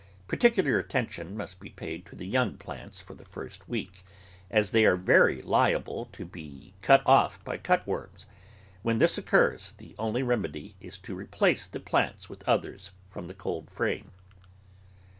Particular attention must be paid to the young plants for the first week, as they are very liable to THE VEGETABLE GARDEN be cut off by cut worms. When this occurs, the only remedy is to replace the plants with others from the coldframe.